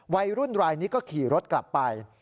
วัยรุ่นรายนี้ก็ขี่รถกลับไป